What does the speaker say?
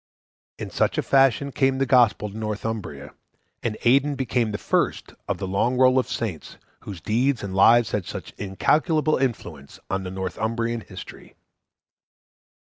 In such a fashion came the Gospel to Northumbria, and Aidan became the first of the long roll of saints whose deeds and lives had such incalculable influence on Northumbrian history.